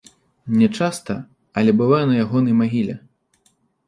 Не часта, але бываю на ягонай магіле.